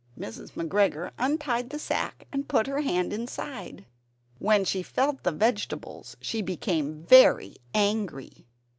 Mrs. McGregor untied the sack and put her hand inside. When she felt the vegetables she became very very angry.